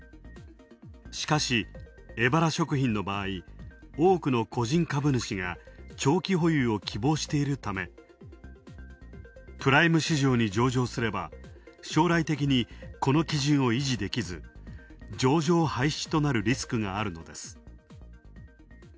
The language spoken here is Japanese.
しかし、エバラ食品の場合、多くの個人株主が長期保有を希望しているため、プライム市場に上場すれば将来的に、この基準を維持できず、上場廃止となるリスクがあるのです。